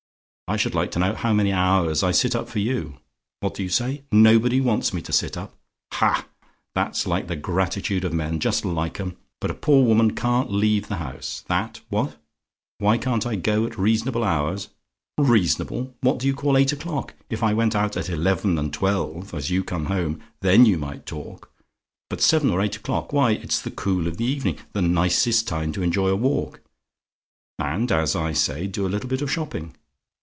I should like to know how many hours I sit up for you? What do you say? "NOBODY WANTS ME TO SIT UP? "Ha! that's like the gratitude of men just like 'em! But a poor woman can't leave the house, that what? "WHY CAN'T I GO AT REASONABLE HOURS? "Reasonable! What do you call eight o'clock? If I went out at eleven and twelve, as you come home, then you might talk; but seven or eight o'clock why, it's the cool of the evening; the nicest time to enjoy a walk; and, as I say, do a little bit of shopping.